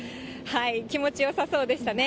気持ちよさそうでしたね。